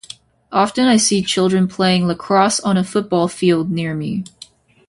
Often I see children playing lacrosse on a football field near me.